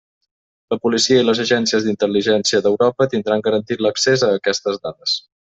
La policia i les agències d'intel·ligència d'Europa tindran garantit l'accés a aquestes dades.